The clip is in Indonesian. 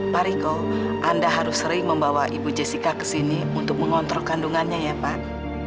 pak riko anda harus sering membawa ibu jessica ke sini untuk mengontrol kandungannya ya pak